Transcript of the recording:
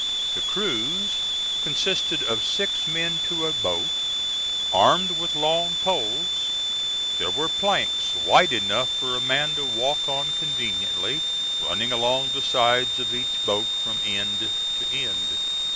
The crews consisted of six men to a boat, armed with long poles. There were planks wide enough for a man to walk on conveniently, running along the sides of each boat from end to end.